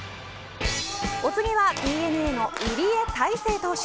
お次はＤｅＮＡの入江大生投手。